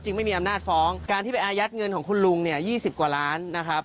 ไม่มีอำนาจฟ้องการที่ไปอายัดเงินของคุณลุงเนี่ย๒๐กว่าล้านนะครับ